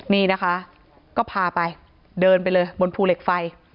นี่นะคะก็พาไปเดินไปเลยบนภูเหล็กไฟ